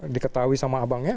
diketahui sama abangnya